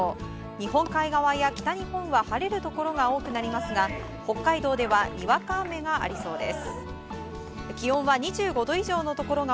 日本海側や北日本は晴れるところが多くなりますが北海道ではにわか雨がありそうです。